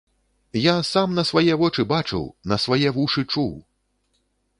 Я сам на свае вочы бачыў, на свае вушы чуў.